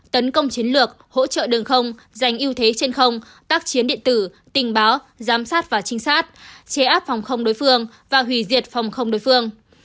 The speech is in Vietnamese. tấn công chiến lược hỗ trợ đường không giành ưu thế trên không tác chiến điện tử tình báo giám sát và trinh sát chế áp phòng không đối phương và hủy diệt phòng không đối phương